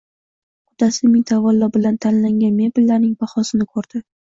Qudasi ming tavallo bilan tanlangan mebellarning bahosini ko‘rdi